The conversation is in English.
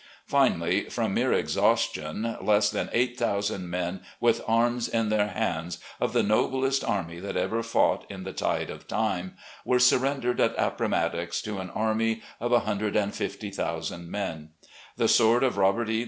Finally, from mere exhaustion, less than eight thousand men with arms in their hands, of the noblest army that ever fought 'in the tide of time,' were stirrendered at Appomattox to an army of 150,000 men; the sword of Robert E.